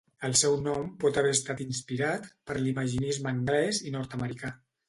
El seu nom pot haver estat inspirat per l'imaginisme anglès i nord-americà.